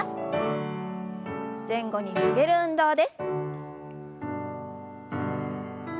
前後に曲げる運動です。